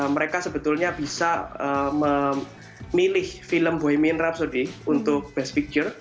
mereka sebetulnya bisa memilih film bohemian rhapsody untuk best picture